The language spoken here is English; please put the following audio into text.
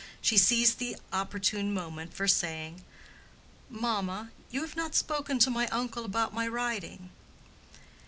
—she seized the opportune moment for saying, "Mamma, you have not spoken to my uncle about my riding."